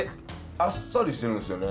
あっさりしてるんですよね。